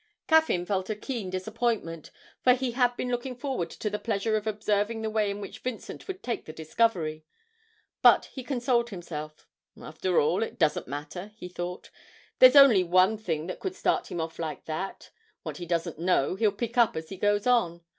Caffyn felt a keen disappointment, for he had been looking forward to the pleasure of observing the way in which Vincent would take the discovery; but he consoled himself: 'After all, it doesn't matter,' he thought; 'there's only one thing that could start him off like that! What he doesn't know he'll pick up as he goes on.